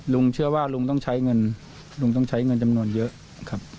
ลุงเชื่อว่าลุงต้องใช้เงินลุงต้องใช้เงินจำนวนเยอะครับ